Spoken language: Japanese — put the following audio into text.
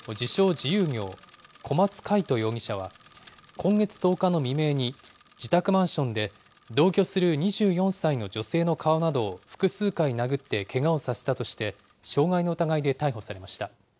自由業、小松魁人容疑者は、今月１０日の未明に、自宅マンションで同居する２４歳の女性の顔などを複数回殴ってけがをさせたとして、傷害の疑いで逮捕されました。